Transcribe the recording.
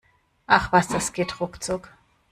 Ach was, das geht ruckzuck!